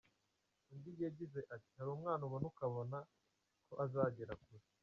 Undi yagize ati “Hari umwana ubona ukabona ko azagera kure.